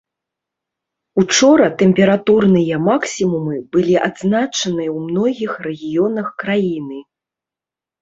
Учора тэмпературныя максімумы былі адзначаныя ў многіх рэгіёнах краіны.